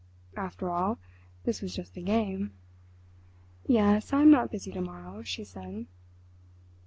After all—this was just a game. "Yes, I'm not busy to morrow," she said.